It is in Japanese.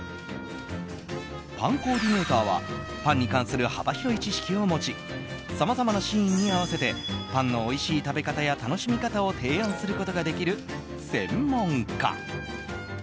パンコーディネーターはパンに関する幅広い知識を持ちさまざまなシーンに合わせてパンのおいしい食べ方や楽しみ方を提案することができる専門家。